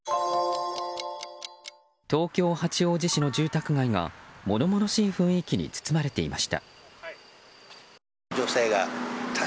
東京・八王子市の住宅街が物々しい雰囲気に包まれていました。